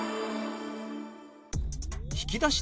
引き出し。